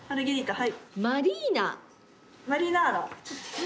はい。